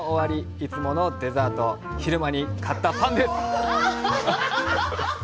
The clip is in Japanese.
いつものデザート、昼間に買ったパンです。